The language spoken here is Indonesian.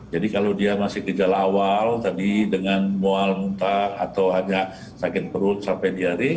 kalau dia masih gejala awal tadi dengan mual muntah atau hanya sakit perut sampai diare